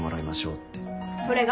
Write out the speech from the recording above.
それが？